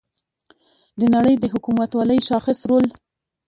د نړۍ د حکومتولۍ شاخص رول